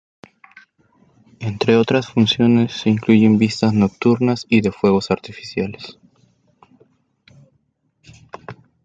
Entre otras funciones, se incluyen vistas nocturnas y de fuegos artificiales.